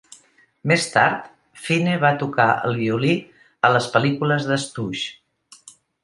Més tard, Fine va tocar el violí a les pel·lícules de Stooge.